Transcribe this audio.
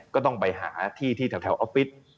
ก็ต้องไปหาที่ที่แถวออฟฟิศ